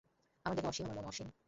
আমার দেহ অসীম, আমার মনও অসীম।